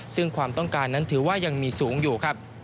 ซึ่งความต้องการนั้นถือว่ายังมีสูงอยู่ครับ